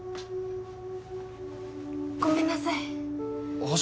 ごめんなさい